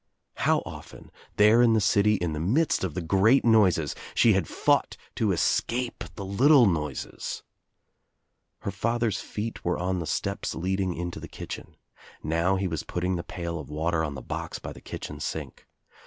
How often, there in the city, in the midst of the great noises she had fought to escape the little noises I Her father's feet were on the steps leading into the kitchen. Now he was putting the pail of water on the box by the kitchen sink.